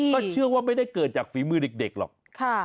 ก็เชื่อว่าไม่ได้เกิดจากฝีมือเด็กหรอก